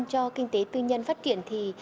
cho kinh tế tư nhân phát triển thì